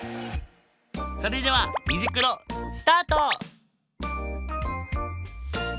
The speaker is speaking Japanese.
それでは「虹クロ」スタート！